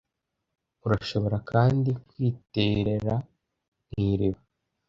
urashobora kandi kwiterera mu iriba